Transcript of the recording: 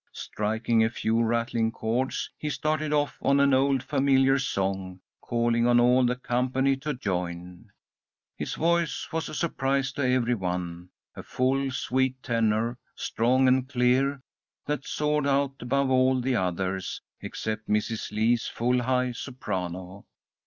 Striking a few rattling chords, he started off on an old familiar song, calling on all the company to join. His voice was a surprise to every one, a full, sweet tenor, strong and clear, that soared out above all the others, except Mrs. Lee's full, high soprano.